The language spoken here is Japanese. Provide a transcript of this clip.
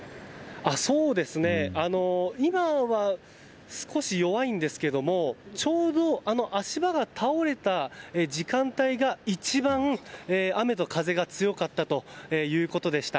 今は少し弱いんですがちょうど足場が倒れた時間帯が一番雨と風が強かったということでした。